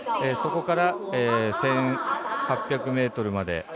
そこから１８００ｍまで。